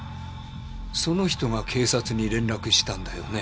その人が警察に連絡したんだよね？